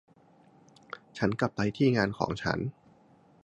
ฉันกลับไปที่งานของฉัน